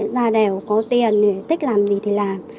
ra đèo có tiền thì thích làm gì thì làm